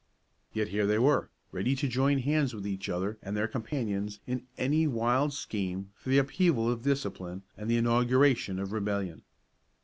Yet here they were, ready to join hands with each other and their companions in any wild scheme for the upheaval of discipline and the inauguration of rebellion.